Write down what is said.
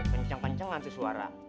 kenceng kenceng nanti suara